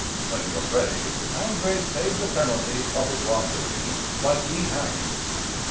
When he was ready, André paid the penalty of his wrongdoing by being hanged.